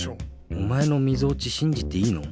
おまえのみぞおちしんじていいの？